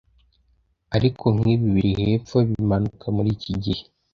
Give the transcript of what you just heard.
ariko nkibi biri hepfo bimanuka muriki gihe